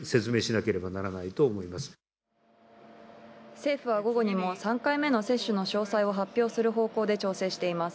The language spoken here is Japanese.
政府は午後にも３回目の接種の詳細を発表する方向で進めています。